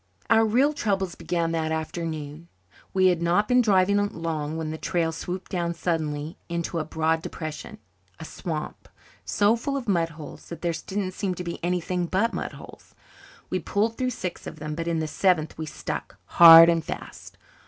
Our real troubles began that afternoon. We had not been driving long when the trail swooped down suddenly into a broad depression a swamp, so full of mud holes that there didn't seem to be anything but mud holes. We pulled through six of them but in the seventh we stuck, hard and fast.